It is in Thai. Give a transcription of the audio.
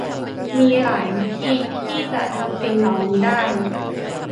มีหลายวิธีที่จะทำสิ่งเหล่านี้ได้